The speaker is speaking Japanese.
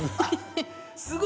すごい！